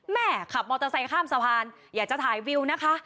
แม่ขับมอเตอร์ไซค์ข้ามสะพานอยากจะถ่ายวิวนะคะ